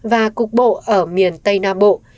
và cục bộ ở miền tây nam bộ